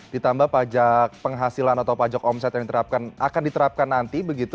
ditambah pajak penghasilan atau pajak omset yang akan diterapkan nanti begitu